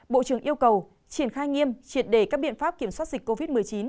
bộ trưởng yêu cầu triển khai nghiêm triệt đề các biện pháp kiểm soát dịch covid một mươi chín